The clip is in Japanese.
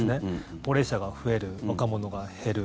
高齢者が増える、若者が減る。